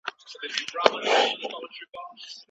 شرعیاتو پوهنځۍ په تصادفي ډول نه ټاکل کیږي.